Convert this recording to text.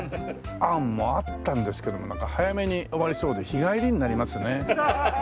案もあったんですけどもなんか早めに終わりそうで日帰りになりますね。